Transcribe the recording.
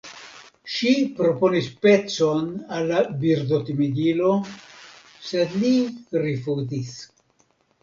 Ŝi proponis pecon al la Birdotimigilo, sed li rifuzis.